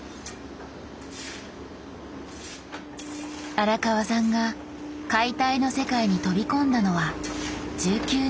荒川さんが解体の世界に飛び込んだのは１９年前。